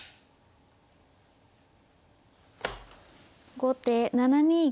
後手７二玉。